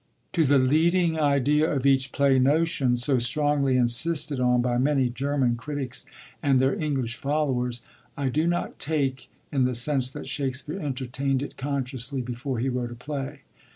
To the Leading Idea of each Play notion, so strongly insisted on by many German critics and their English followers, I do not take, in the sense that Shakspere entertaind it consciously before he wrote a play.